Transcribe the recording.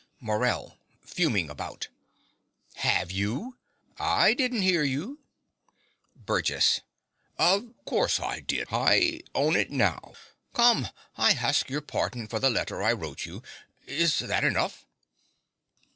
MORELL (fuming about). Have you? I didn't hear you. BURGESS. Of course I did. I hown it now. Come: I harsk your pardon for the letter I wrote you. Is that enough?